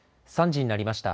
３時になりました。